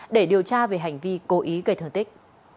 để điều tra về hành vi cố ý gây thương tích